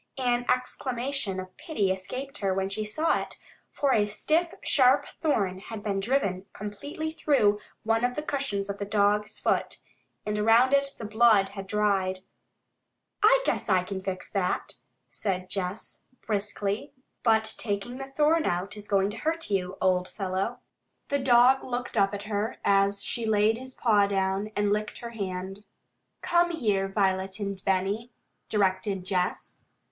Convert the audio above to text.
An exclamation of pity escaped her when she saw it, for a stiff, sharp thorn had been driven completely through one of the cushions of the dog's foot, and around it the blood had dried. "I guess I can fix that," said Jess briskly. "But taking the thorn out is going to hurt you, old fellow." The dog looked up at her as she laid his paw down, and licked her hand. "Come here, Violet and Benny," directed Jess.